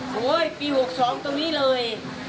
โอ๊ยปี๖๒ตรงนี้เลย